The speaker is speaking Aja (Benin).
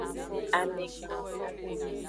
Amegan.